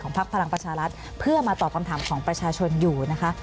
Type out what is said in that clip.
พักพลังประชารัฐเพื่อมาตอบคำถามของประชาชนอยู่นะคะ